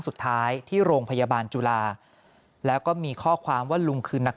สุดท้ายที่โรงพยาบาลจุฬาแล้วก็มีข้อความว่าลุงคือนัก